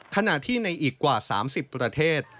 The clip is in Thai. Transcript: ขณะที่ในอีกกว่า๓๐ประเทศ